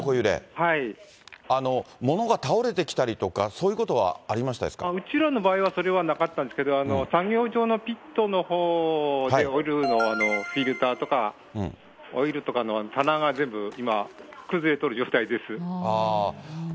物が倒れてきたりとか、うちらの場合はそれはなかったんですけど、作業場のピットのほうでオイルのフィルターとか、オイルとかの棚が全部、今、崩れとる状況です。